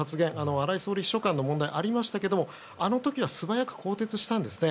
荒井総理秘書官の問題がありましたがあの時は素早く更迭したんですね。